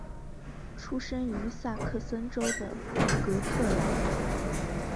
出生于萨克森州的福格特兰。